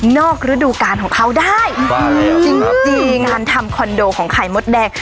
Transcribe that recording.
กระดูกการของเขาได้ถูกต้องจริงงานทำคอนโดของไข่มดแดง